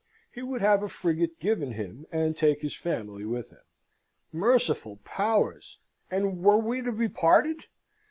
He would have a frigate given him, and take his family with him. Merciful powers! and were we to be parted?